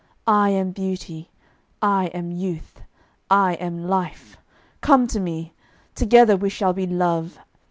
I am Beauty, I am Youth, I am Life. Come to me! Together we shall be Love.